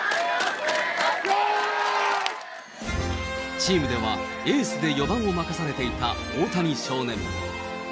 チームではエースで４番を任されていた大谷少年。